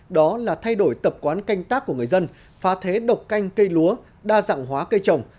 đó là thay đổi tập quán canh tác của người dân phá thế độc canh cây lúa đa dạng hóa cây trồng